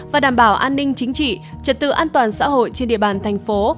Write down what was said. và đảm bảo an ninh chính trị trật tự an toàn xã hội trên địa bàn thành phố